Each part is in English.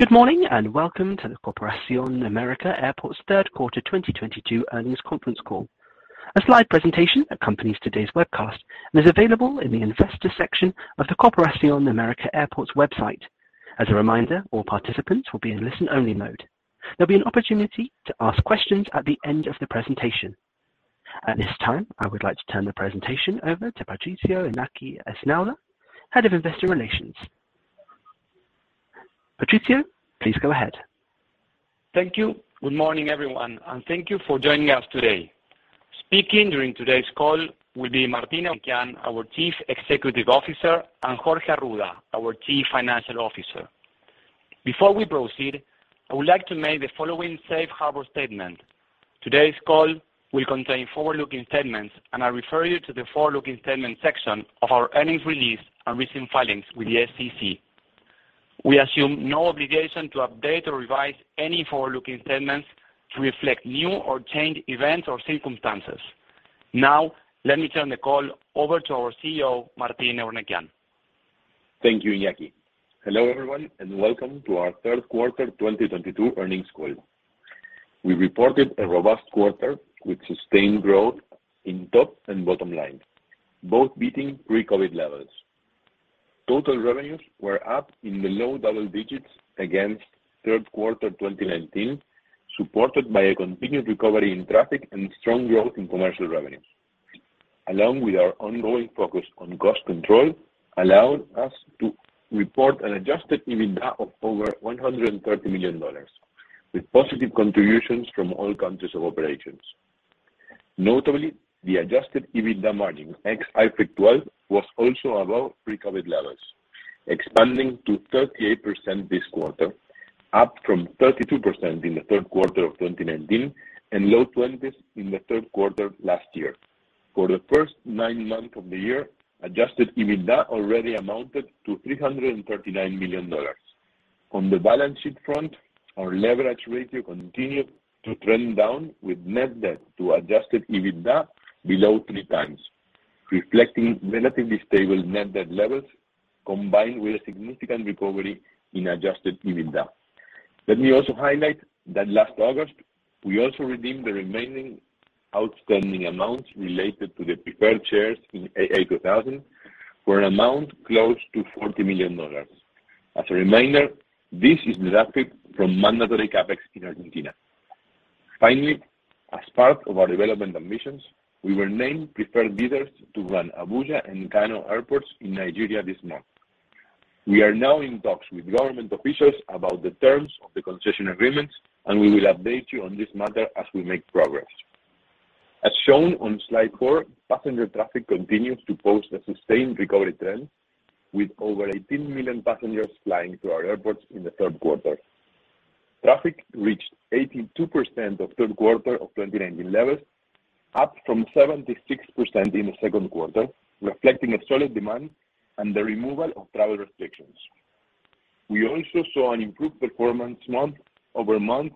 Good morning and welcome to the Corporación América Airports third quarter 2022 earnings conference call. A slide presentation accompanies today's webcast and is available in the Investors section of the Corporación América Airports website. As a reminder, all participants will be in listen-only mode. There'll be an opportunity to ask questions at the end of the presentation. At this time, I would like to turn the presentation over to Patricio Iñaki Esnaola, Head of Investor Relations. Patricio, please go ahead. Thank you. Good morning, everyone, and thank you for joining us today. Speaking during today's call will be Martín Eurnekian, our Chief Executive Officer, and Jorge Arruda, our Chief Financial Officer. Before we proceed, I would like to make the following safe harbor statement. Today's call will contain forward-looking statements, and I refer you to the forward-looking statements section of our earnings release and recent filings with the SEC. We assume no obligation to update or revise any forward-looking statements to reflect new or changed events or circumstances. Now, let me turn the call over to our CEO, Martín Eurnekian. Thank you, Iñaki. Hello, everyone, and welcome to our third quarter 2022 earnings call. We reported a robust quarter with sustained growth in top and bottom line, both beating pre-COVID levels. Total revenues were up in the low double digits against third quarter 2019, supported by a continued recovery in traffic and strong growth in commercial revenues, along with our ongoing focus on cost control, allowed us to report an adjusted EBITDA of over $130 million, with positive contributions from all countries of operations. Notably, the adjusted EBITDA margin, ex-IFRIC 12, was also above pre-COVID levels, expanding to 38% this quarter, up from 32% in the third quarter of 2019 and low 20s in the third quarter last year. For the first nine months of the year, adjusted EBITDA already amounted to $339 million. On the balance sheet front, our leverage ratio continued to trend down with net debt to Adjusted EBITDA below 3x, reflecting relatively stable net debt levels combined with a significant recovery in Adjusted EBITDA. Let me also highlight that last August, we also redeemed the remaining outstanding amounts related to the preferred shares in AA2000 for an amount close to $40 million. As a reminder, this is the deduct from mandatory CapEx in Argentina. Finally, as part of our development ambitions, we were named preferred bidders to run Abuja and Kano airports in Nigeria this month. We are now in talks with government officials about the terms of the concession agreements, and we will update you on this matter as we make progress. As shown on slide four, passenger traffic continues to post a sustained recovery trend, with over 18 million passengers flying through our airports in the third quarter. Traffic reached 82% of third quarter of 2019 levels, up from 76% in the second quarter, reflecting a solid demand and the removal of travel restrictions. We also saw an improved performance month-over-month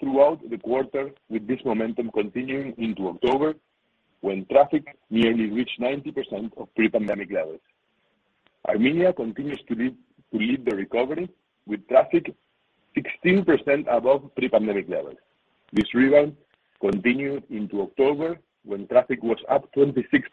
throughout the quarter, with this momentum continuing into October, when traffic nearly reached 90% of pre-pandemic levels. Armenia continues to lead the recovery, with traffic 16% above pre-pandemic levels. This rebound continued into October, when traffic was up 26%.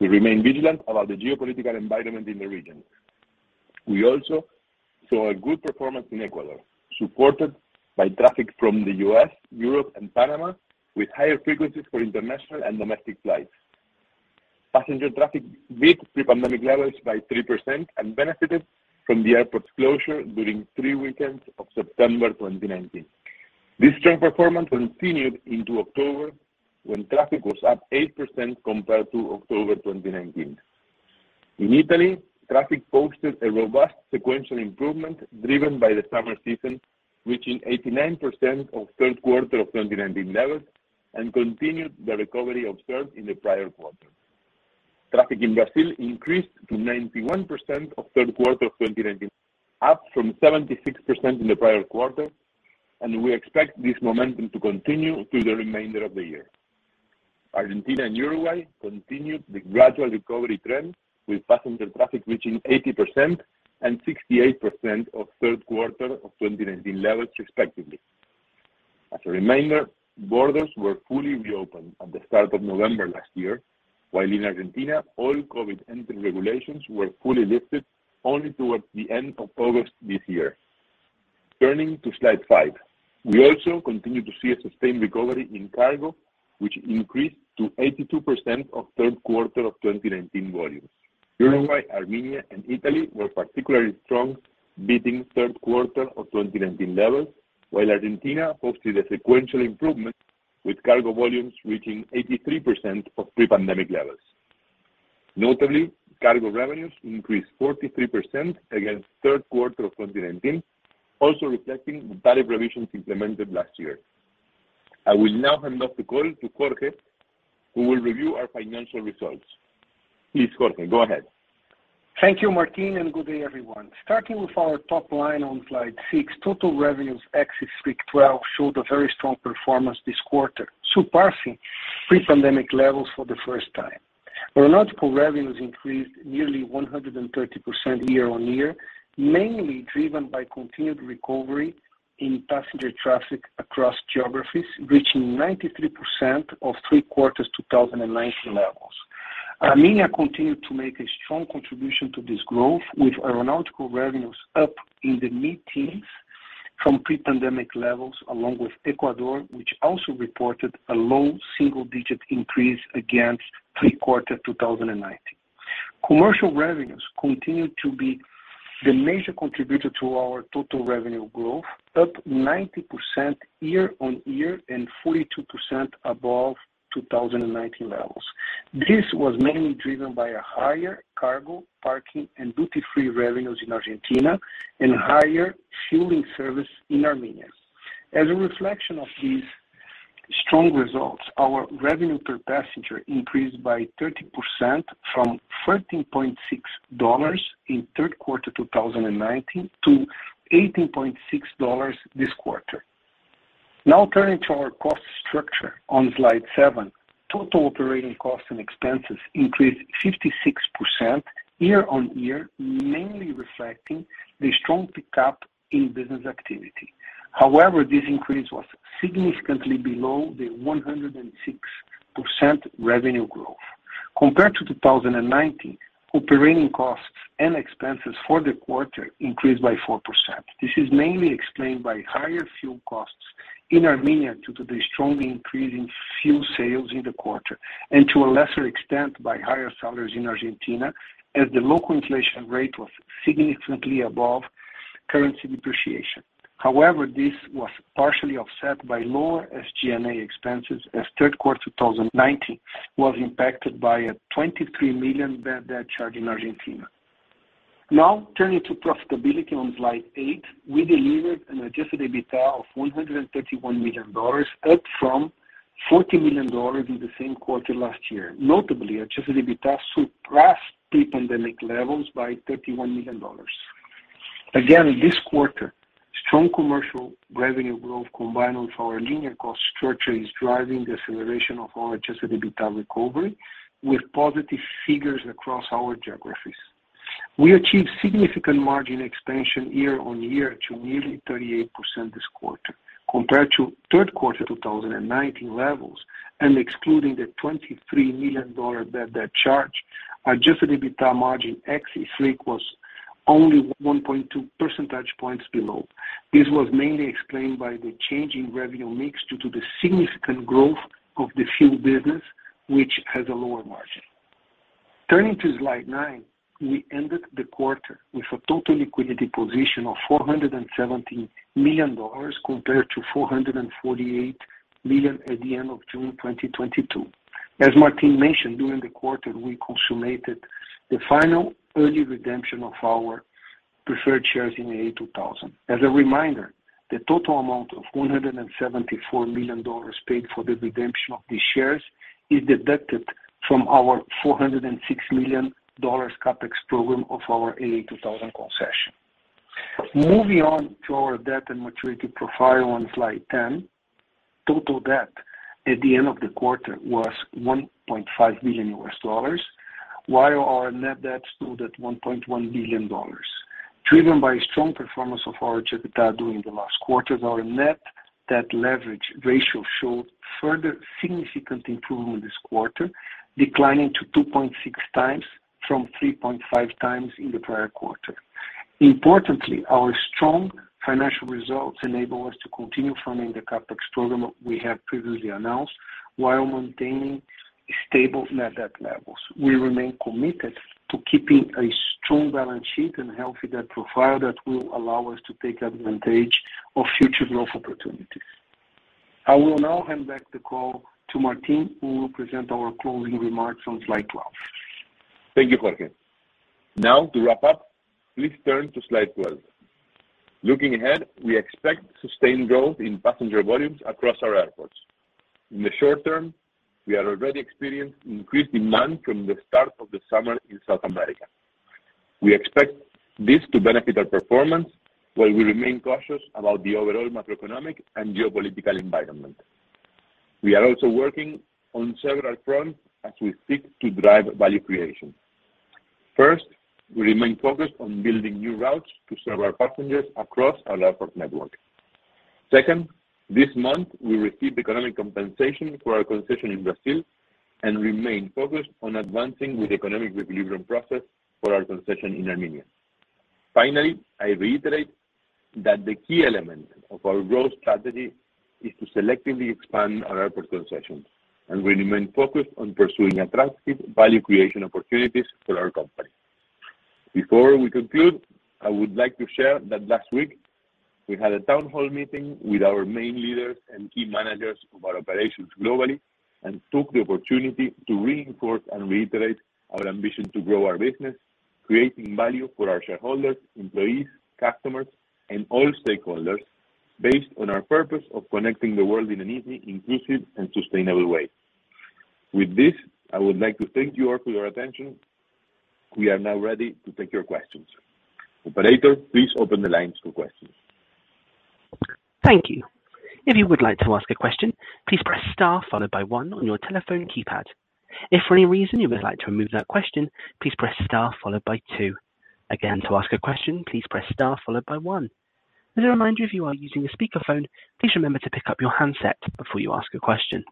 We remain vigilant about the geopolitical environment in the region. We also saw a good performance in Ecuador, supported by traffic from the U.S., Europe, and Panama, with higher frequencies for international and domestic flights. Passenger traffic beat pre-pandemic levels by 3% and benefited from the airport closure during three weekends of September 2019. This strong performance continued into October, when traffic was up 8% compared to October 2019. In Italy, traffic posted a robust sequential improvement driven by the summer season, reaching 89% of third quarter of 2019 levels and continued the recovery observed in the prior quarter. Traffic in Brazil increased to 91% of third quarter of 2019, up from 76% in the prior quarter, and we expect this momentum to continue through the remainder of the year. Argentina and Uruguay continued the gradual recovery trend, with passenger traffic reaching 80% and 68% of third quarter of 2019 levels, respectively. As a reminder, borders were fully reopened at the start of November last year, while in Argentina, all COVID entry regulations were fully lifted only towards the end of August this year. Turning to slide 5, we also continue to see a sustained recovery in cargo, which increased to 82% of third quarter of 2019 volumes. Uruguay, Armenia, and Italy were particularly strong, beating third quarter of 2019 levels, while Argentina posted a sequential improvement, with cargo volumes reaching 83% of pre-pandemic levels. Notably, cargo revenues increased 43% against third quarter of 2019, also reflecting the tariff revisions implemented last year. I will now hand off the call to Jorge, who will review our financial results. Please, Jorge, go ahead. Thank you, Martín, and good day, everyone. Starting with our top line on slide six, total revenues, ex IFRIC 12, showed a very strong performance this quarter, surpassing pre-pandemic levels for the first time. Aeronautical revenues increased nearly 130% year-on-year, mainly driven by continued recovery in passenger traffic across geographies, reaching 93% of 3 quarters 2019 levels. Armenia continued to make a strong contribution to this growth, with aeronautical revenues up in the mid-teens from pre-pandemic levels, along with Ecuador, which also reported a low single-digit increase against 3 quarter 2019. Commercial revenues continued to be the major contributor to our total revenue growth, up 90% year-on-year and 42% above 2019 levels. This was mainly driven by a higher cargo, parking and duty-free revenues in Argentina and higher fueling service in Armenia. As a reflection of these strong results, our revenue per passenger increased by 30% from $13.6 in third quarter 2019 to $18.6 this quarter. Now turning to our cost structure on slide 7. Total operating costs and expenses increased 56% year-on-year, mainly reflecting the strong pickup in business activity. However, this increase was significantly below the 106% revenue growth. Compared to 2019, operating costs and expenses for the quarter increased by 4%. This is mainly explained by higher fuel costs in Armenia due to the strong increase in fuel sales in the quarter, and to a lesser extent by higher salaries in Argentina, as the local inflation rate was significantly above currency depreciation. However, this was partially offset by lower SG&A expenses as third quarter 2019 was impacted by a $23 million bad debt charge in Argentina. Now turning to profitability on slide eight. We delivered an Adjusted EBITDA of $131 million, up from $40 million in the same quarter last year. Notably, Adjusted EBITDA surpassed pre-pandemic levels by $31 million. Again, in this quarter, strong commercial revenue growth combined with our linear cost structure is driving the acceleration of our Adjusted EBITDA recovery with positive figures across our geographies. We achieved significant margin expansion year-on-year to nearly 38% this quarter. Compared to third quarter 2019 levels and excluding the $23 million bad debt charge, Adjusted EBITDA margin ex-IFRIC 12 was only 1.2 percentage points below. This was mainly explained by the change in revenue mix due to the significant growth of the fuel business, which has a lower margin. Turning to slide nine. We ended the quarter with a total liquidity position of $470 million compared to $448 million at the end of June 2022. As Martín mentioned, during the quarter, we consummated the final early redemption of our preferred shares in AA2000. As a reminder, the total amount of $474 million paid for the redemption of these shares is deducted from our $406 million CapEx program of our AA2000 concession. Moving on to our debt and maturity profile on slide 10. Total debt at the end of the quarter was $1.5 billion, while our net debt stood at $1.1 billion. Driven by strong performance of our EBITDA during the last quarter, our net debt leverage ratio showed further significant improvement this quarter, declining to 2.6x from 3.5x in the prior quarter. Importantly, our strong financial results enable us to continue funding the CapEx program we have previously announced while maintaining stable net debt levels. We remain committed to keeping a strong balance sheet and healthy debt profile that will allow us to take advantage of future growth opportunities. I will now hand back the call to Martín, who will present our closing remarks on slide 12. Thank you, Jorge. Now to wrap up, please turn to slide 12. Looking ahead, we expect sustained growth in passenger volumes across our airports. In the short term, we are already experiencing increased demand from the start of the summer in South America. We expect this to benefit our performance, while we remain cautious about the overall macroeconomic and geopolitical environment. We are also working on several fronts as we seek to drive value creation. First, we remain focused on building new routes to serve our passengers across our airport network. Second, this month, we received economic compensation for our concession in Brazil and remain focused on advancing with economic re-equilibrium process for our concession in Armenia. Finally, I reiterate that the key element of our growth strategy is to selectively expand our airport concessions, and we remain focused on pursuing attractive value creation opportunities for our company. Before we conclude, I would like to share that last week we had a town hall meeting with our main leaders and key managers of our operations globally and took the opportunity to reinforce and reiterate our ambition to grow our business, creating value for our shareholders, employees, customers, and all stakeholders based on our purpose of connecting the world in an easy, inclusive, and sustainable way. With this, I would like to thank you all for your attention. We are now ready to take your questions. Operator, please open the lines for questions. Thank you. If you would like to ask a question, please press * followed by 1 on your telephone keypad. If for any reason you would like to remove that question, please press * followed by 3. Again, to ask a question, please press * followed by 1. As a reminder, if you are using a speakerphone, please remember to pick up your handset before you ask a question.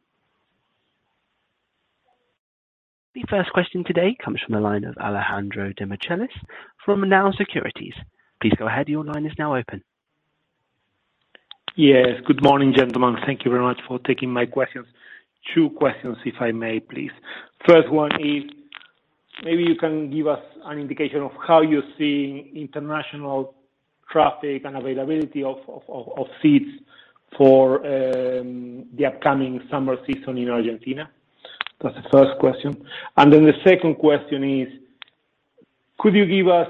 The first question today comes from the line of Alejandro Demichelis from Nau Securities. Please go ahead. Your line is now open. Yes. Good morning, gentlemen. Thank you very much for taking my questions. Two questions if I may, please. First one is, maybe you can give us an indication of how you're seeing international traffic and availability of seats for the upcoming summer season in Argentina. That's the first question. The second question is, could you give us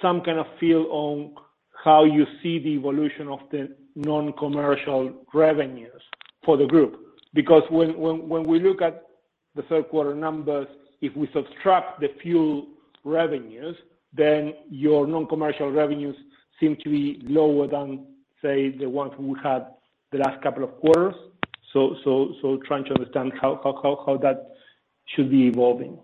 some kind of feel on how you see the evolution of the non-commercial revenues for the group? Because when we look at the third quarter numbers, if we subtract the fuel revenues, then your non-commercial revenues seem to be lower than, say, the ones we had the last couple of quarters. Trying to understand how that should be evolving.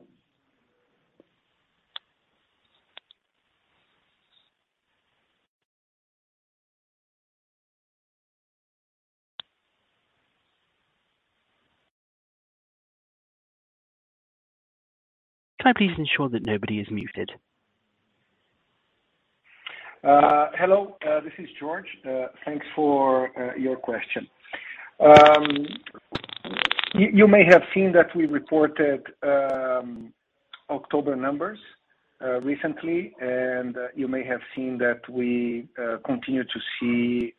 Can I please ensure that nobody is muted? Hello, this is Jorge Arruda. Thanks for your question. You may have seen that we reported October numbers recently, and you may have seen that we continue to see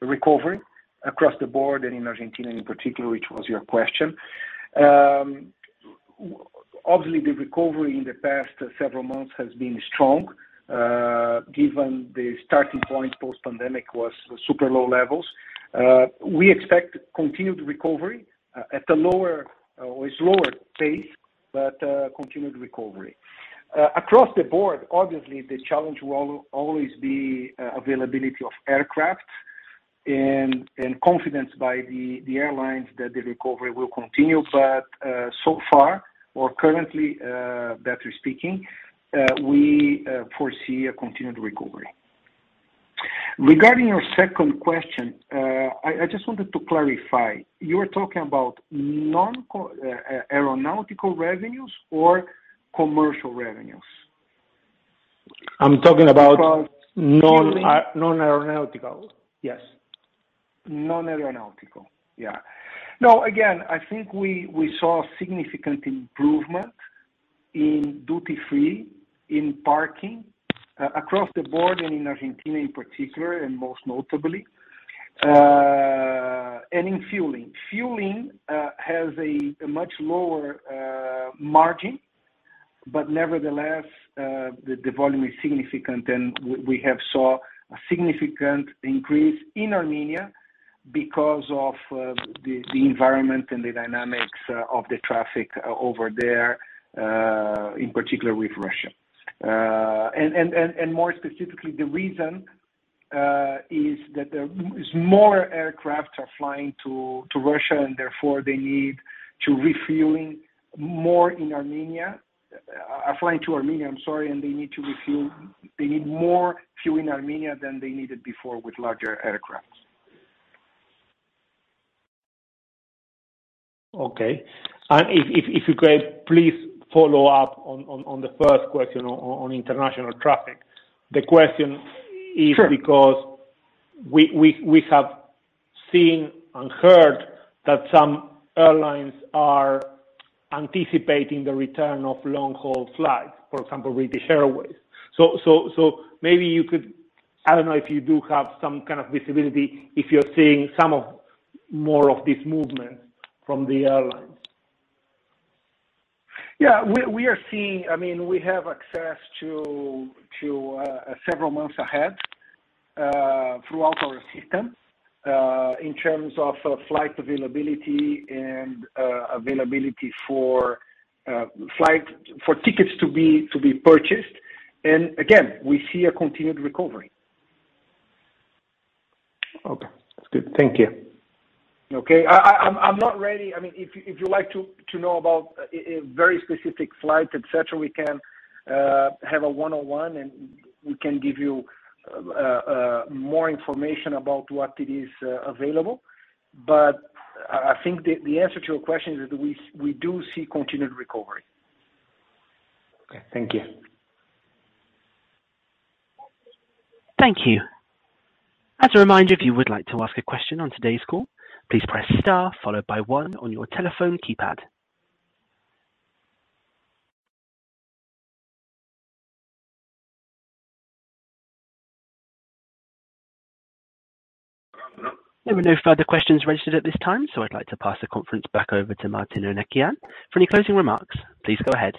recovery across the board and in Argentina in particular, which was your question. Obviously the recovery in the past several months has been strong, given the starting point, post-pandemic was super low levels. We expect continued recovery at a lower pace, but continued recovery. Across the board, obviously the challenge will always be availability of aircraft and confidence by the airlines that the recovery will continue. So far, or currently, better speaking, we foresee a continued recovery. Regarding your second question, I just wanted to clarify, you're talking about aeronautical revenues or commercial revenues? I'm talking about. Fueling. Non-aeronautical. Yes. Non-aeronautical. Yeah. No, again, I think we saw significant improvement in duty-free, in parking across the board and in Argentina in particular, and most notably, and in fueling. Fueling has a much lower margin. Nevertheless, the volume is significant, and we have saw a significant increase in Armenia because of the environment and the dynamics of the traffic over there, in particular with Russia. More specifically, the reason is that there is more aircraft are flying to Armenia, I'm sorry. They need more fuel in Armenia than they needed before with larger aircraft. Okay. If you could please follow up on the first question on international traffic. The question is. Sure. Because we have seen and heard that some airlines are anticipating the return of long-haul flights, for example, British Airways. Maybe you could, I don't know if you do have some kind of visibility, if you're seeing more of these movements from the airlines. Yeah. We are seeing, I mean, we have access to several months ahead throughout our system in terms of flight availability and availability for tickets to be purchased. Again, we see a continued recovery. Okay. That's good. Thank you. Okay. I'm not ready. I mean, if you like to know about a very specific flight, et cetera, we can have a one-on-one, and we can give you more information about what is available. I think the answer to your question is that we do see continued recovery. Okay. Thank you. Thank you. As a reminder, if you would like to ask a question on today's call, please press * followed by 1 on your telephone keypad. There were no further questions registered at this time, so I'd like to pass the conference back over to Martín Eurnekian. For any closing remarks, please go ahead.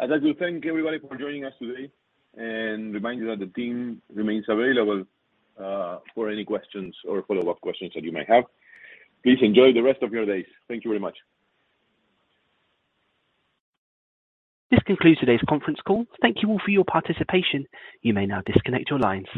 I'd like to thank everybody for joining us today and remind you that the team remains available for any questions or follow-up questions that you may have. Please enjoy the rest of your days. Thank you very much. This concludes today's conference call. Thank you all for your participation. You may now disconnect your lines.